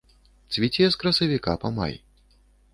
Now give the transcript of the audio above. Цвіце з красавіка па май.